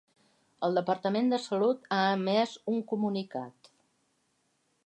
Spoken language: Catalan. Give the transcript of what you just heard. El Departament de Salut ha emès un comunicat.